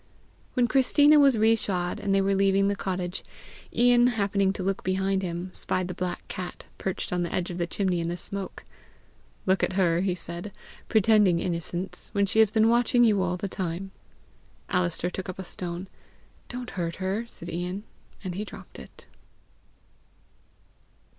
When Christina was re shod, and they were leaving the cottage, Ian, happening to look behind him, spied the black cat perched on the edge of the chimney in the smoke. "Look at her," he said, "pretending innocence, when she has been watching you all the time!" Alister took up a stone. "Don't hurt her," said Ian, and he dropped it.